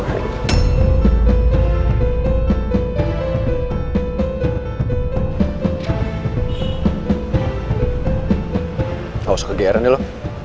lo usah kegiatan deh lo